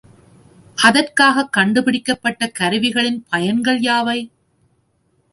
அதற்காகக் கண்டு பிடிக்கப்பட்டக் கருவிகளின் பயன்கள் யாவை?